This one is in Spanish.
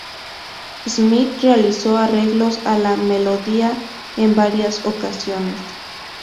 Smyth realizó arreglos a la melodía en varias ocasiones.